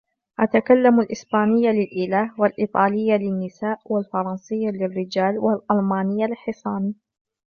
أتكلم الأسبانية للإله والإيطالية للنساء والفرنسية للرجال والألمانية لحصاني